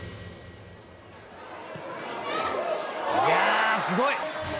いやすごい！